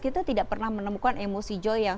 kita tidak pernah menemukan emosi joy yang